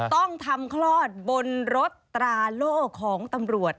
ต้องทำคลอดบนรถตราโล่ของตำรวจ